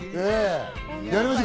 やりましょう！